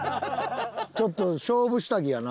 ちょっと勝負下着やな。